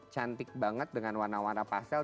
cantik banget dengan warna warna pastel